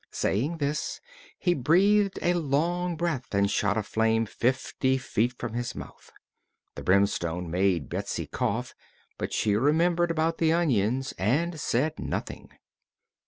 Saying this, he breathed a long breath and shot a flame fifty feet from his mouth. The brimstone made Betsy cough, but she remembered about the onions and said nothing.